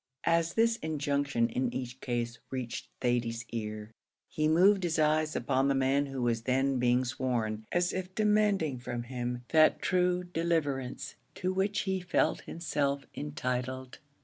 As this injunction in each case reached Thady's ear, he moved his eyes upon the man who was then being sworn, as if demanding from him that true deliverance to which he felt himself entitled.